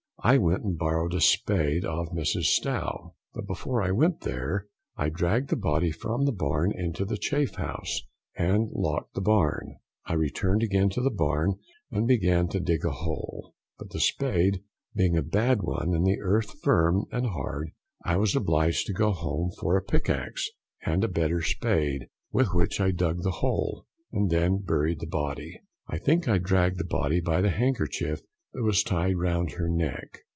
I went and borrowed a spade of Mrs Stow, but before I went there I dragged the body from the barn into the chaff house, and locked the barn. I returned again to the barn, and began to dig a hole, but the spade being a bad one, and the earth firm and hard, I was obliged to go home for a pickaxe and a better spade, with which I dug the hole, and then buried the body. I think I dragged the body by the handkerchief that was tied round her neck.